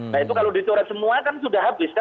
nah itu kalau dicoret semua kan sudah habis kan